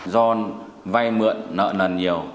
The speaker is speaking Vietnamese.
do vay mượn nợ nần nhiều